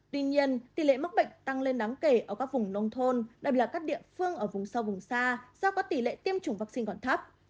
tuy nhiên tỷ lệ mắc bệnh tăng lên đáng kể ở các vùng nông thôn đặc biệt là các địa phương ở vùng sâu vùng xa do có tỷ lệ tiêm chủng vaccine còn thấp